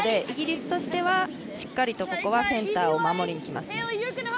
イギリスとしては、しっかりとセンターを守りにいきますね。